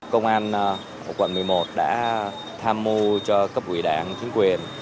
công an quận một mươi một đã tham mưu cho các quỹ đảng chính quyền